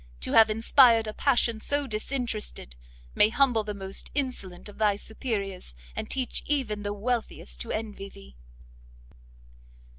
to have inspired a passion so disinterested, may humble the most insolent of thy superiors, and teach even the wealthiest to envy thee!"